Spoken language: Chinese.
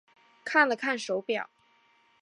看了看手表